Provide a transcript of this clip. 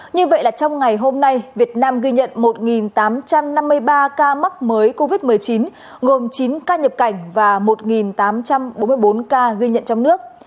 như vậy là trong ngày hôm nay việt nam ghi nhận một tám trăm năm mươi ba ca mắc mới covid một mươi chín gồm chín ca nhập cảnh và một tám trăm bốn mươi bốn ca ghi nhận trong nước